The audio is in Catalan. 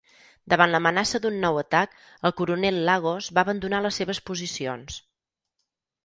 Davant l'amenaça d'un nou atac, el coronel Lagos va abandonar les seves posicions.